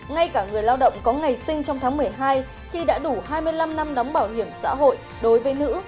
ngay cả người lao động có ngày sinh trong tháng một mươi hai khi đã đủ hai mươi năm năm đóng bảo hiểm xã hội đối với nữ